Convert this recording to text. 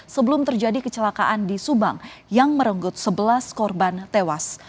sebelum terjadi kecelakaan di subang yang merenggut sebelas korban tewas